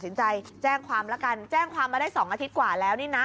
สินใจแจ้งความละกันแจ้งความมาได้๒อาทิตย์กว่าแล้วนี่นะ